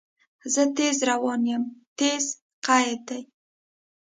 زه تیز روان یم – "تیز" قید دی.